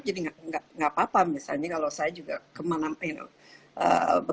jadi tidak apa apa misalnya kalau saya juga kemana mana